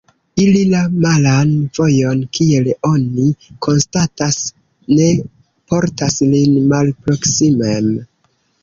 Iri la malan vojon, kiel oni konstatas, ne portas nin malproksimen.